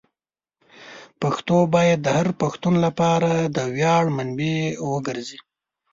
پښتو باید د هر پښتون لپاره د ویاړ منبع وګرځي.